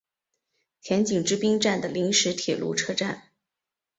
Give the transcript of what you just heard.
田井之滨站的临时铁路车站。